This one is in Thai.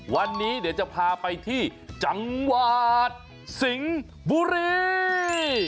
วันนี้เดี๋ยวจะพาไปที่จังหวัดสิงห์บุรี